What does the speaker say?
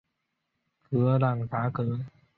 格朗达格。